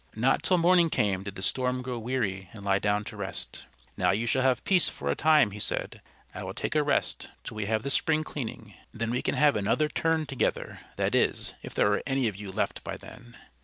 Not till morning came did the Storm grow weary and lie down to rest. "Now you shall have peace for a time," he said. "I will take a rest till we have the spring cleaning. Then we can have another turn together that is, if there are any of you left by then."